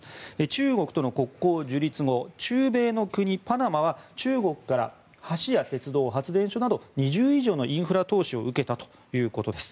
中国との国交樹立後中米の国パナマは中国から橋や鉄道、発電所など２０以上のインフラ投資を受けたということです。